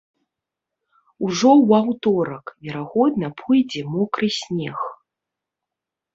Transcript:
Ужо ў аўторак, верагодна, пойдзе мокры снег.